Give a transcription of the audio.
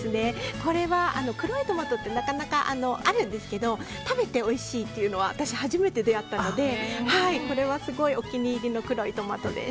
これは、黒いトマトってあるんですけど食べておいしいっていうのは私、初めて出会ったのでこれはすごいお気に入りの黒いトマトです。